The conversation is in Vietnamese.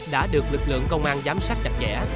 đã được lực lượng công an giám sát chặt chẽ